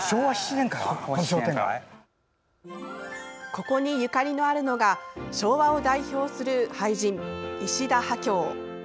ここにゆかりのあるのが昭和を代表する俳人・石田波郷。